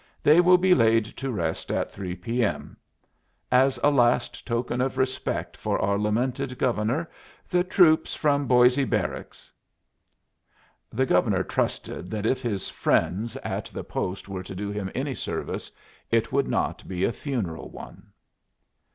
They will be laid to rest at 3 p.m.... As a last token of respect for our lamented Governor, the troops from Boisé Barracks...." The Governor trusted that if his friends at the post were to do him any service it would not be a funeral one.